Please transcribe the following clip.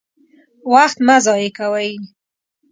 وخت مه ضايع کوئ!